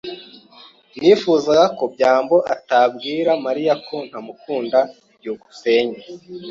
[S] Nifuzaga ko byambo atabwira Mariya ko ntamukunda. byukusenge